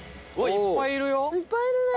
いっぱいいるね。